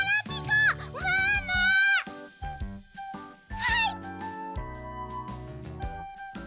はい！